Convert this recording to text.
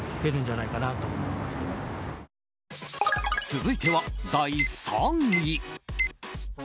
続いては第３位。